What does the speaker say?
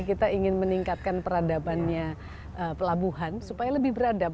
kita ingin meningkatkan peradabannya pelabuhan supaya lebih beradab